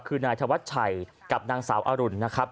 คือนายธวัชชัยกับนางสาวอรุณนะครับ